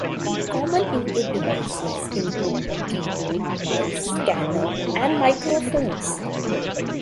The Manor House was then owned by the father-in-law of the writer Peter Spence.